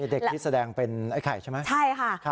เด็กที่แสดงเป็นไอ้ไข่ใช่ไหมใช่ค่ะ